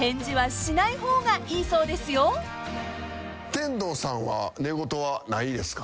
天童さんは寝言はないですか？